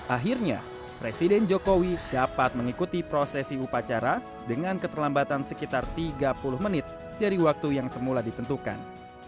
akhirnya presiden jokowi dapat mengikuti prosesi upacara dengan keterlambatan sekitar tiga puluh menit dari waktu yang semula ditentukan